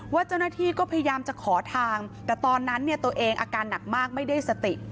เจ้าหน้าที่ก็พยายามจะขอทางแต่ตอนนั้นเนี่ยตัวเองอาการหนักมากไม่ได้สติ